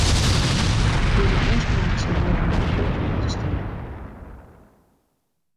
Dizze ôfspraak sil no ûnder druk komme te stean.